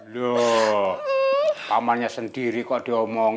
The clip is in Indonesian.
loh pamannya sendiri kok diomong